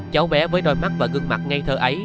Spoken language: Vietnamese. cháu bé với đôi mắt và gương mặt ngay thơ ấy